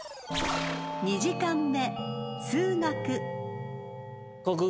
［２時間目］